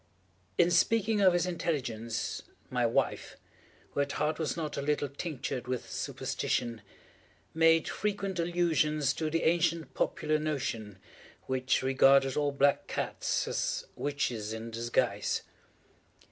In speaking of his intelligence, my wife, who at heart was not a little tinctured with superstition, made frequent allusion to the ancient popular notion, which regarded all black cats as witches in disguise.